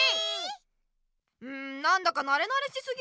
うんなんだかなれなれしすぎるなあ。